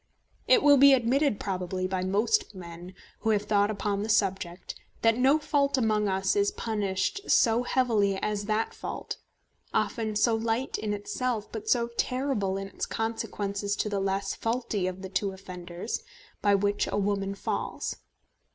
It will be admitted probably by most men who have thought upon the subject that no fault among us is punished so heavily as that fault, often so light in itself but so terrible in its consequences to the less faulty of the two offenders, by which a woman falls.